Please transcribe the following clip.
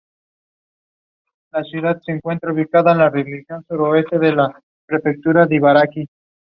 Continuó su carrera y sus estudios musicales de manera autodidacta.